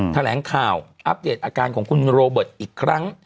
แถลงข่าวอัปเดตอาการของคุณโรเบิร์ตอีกครั้ง